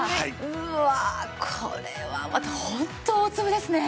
うわあこれはまたホント大粒ですね。